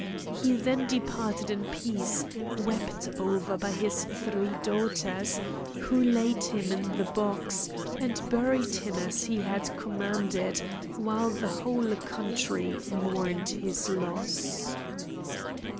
He then departed in peace, wept over by his three daughters, who laid him in the box, and buried him as he had commanded, while the whole country mourned his loss.